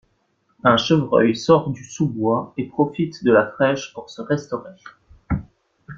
Un chevreuil sort du sous-bois et profite de la fraîche pour se restaurer.